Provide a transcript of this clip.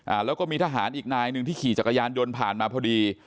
อ่าแล้วก็มีทหารอีกนายหนึ่งที่ขี่จักรยานยนต์ผ่านมาพอดี